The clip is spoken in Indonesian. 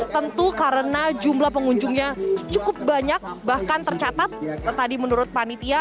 dua ribu dua puluh dua tentu karena jumlah pengunjungnya cukup banyak bahkan tercatat tadi menurut panitia